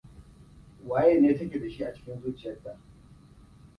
Waye ne ta ke da shi a cikin zuciyarta?